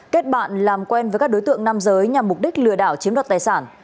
kết bạn làm quen với các đối tượng nam giới nhằm mục đích lừa đảo chiếm đoạt tài sản